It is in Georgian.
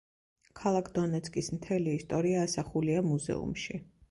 ქალაქ დონეცკის მთელი ისტორია ასახულია მუზეუმში.